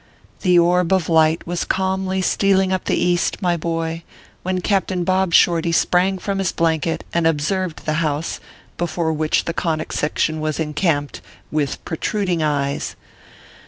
The orb of light was calmly stealing up the east, my boy, when Captain Bob Shorty sprang from his blanket and observed the house, before which the Conic Section was encamped, with protruding eyes.